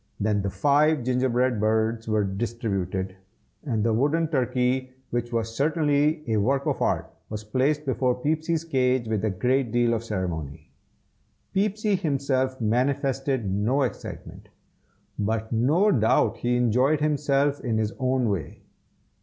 Then the five gingerbread birds were distributed, and the wooden turkey, which was certainly a work of art, was placed before Peepsy's cage with a great deal of ceremony. Peepsy himself manifested no excitement, but no doubt he enjoyed himself in his own way.